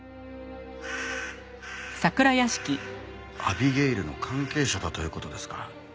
アビゲイルの関係者だという事ですか？